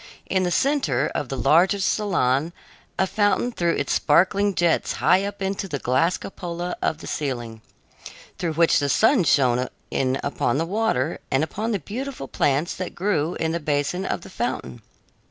In the center of the largest salon a fountain threw its sparkling jets high up into the glass cupola of the ceiling, through which the sun shone in upon the water and upon the beautiful plants that grew in the basin of the fountain.